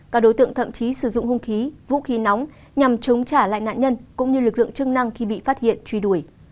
các đối tượng thậm chí sử dụng hung khí vũ khí nóng nhằm chống trả lại nạn nhân cũng như lực lượng chức năng khi bị phát hiện truy đuổi